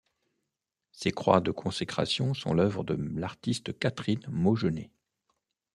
Ces croix de consécration sont l'œuvre de l'artiste Catherine Mogenet.